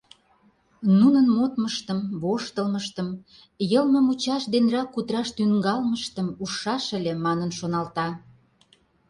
Нунын модмыштым, воштылмыштым, йылме мучаш денрак кутыраш тӱҥалмыштым ужшаш ыле манын шоналта.